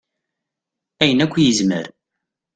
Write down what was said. Ayen akk i yezmer.